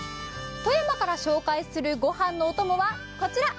富山から紹介するご飯のおともは、こちら。